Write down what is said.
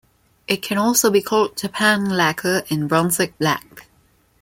It can also be called japan lacquer and Brunswick black.